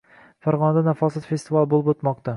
Farg‘onada “Nafosat” festivali bo‘lib o‘tmoqda